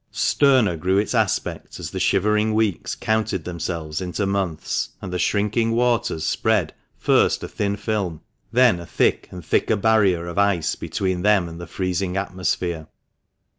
Sterner grew its aspect as the shivering weeks counted them selves into months, and the shrinking waters spread first a thin film, then a thick and a thicker barrier of ice between them and the freezing atmosphere.